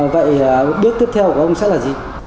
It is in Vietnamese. vậy bước tiếp theo của ông sẽ là gì